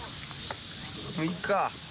もういいか。